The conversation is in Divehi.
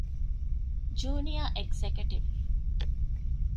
ޖޫނިއަރ އެގްޒެކަޓިވް